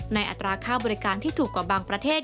อัตราค่าบริการที่ถูกกว่าบางประเทศ